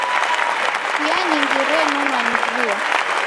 Chia nyingi renonwa ni vua.